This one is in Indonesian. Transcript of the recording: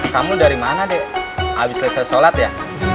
kamu dari mana dek abis selesai sholat ya